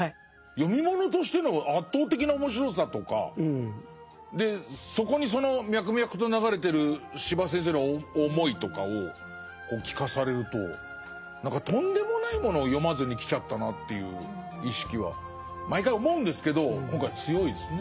読み物としての圧倒的な面白さとかそこにその脈々と流れてる司馬先生の思いとかを聞かされると何かとんでもないものを読まずにきちゃったなっていう意識は毎回思うんですけど今回強いですね。